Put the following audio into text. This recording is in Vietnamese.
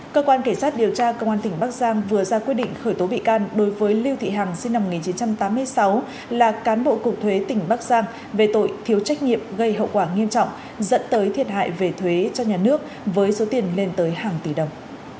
cơ quan kể sát điều tra công an tỉnh bắc giang vừa ra quyết định khởi tố bị can đối với lưu thị hằng sinh năm một nghìn chín trăm tám mươi sáu là cán bộ cục thuế tỉnh bắc giang về tội thiếu trách nhiệm gây hậu quả nghiêm trọng dẫn tới thiệt hại về thuế cho nhà nước với số tiền lên tới hàng tỷ đồng